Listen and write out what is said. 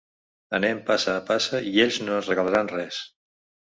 Anem passa a passa i ells no ens regalaran res.